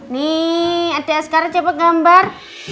nih adik sekarang coba gambar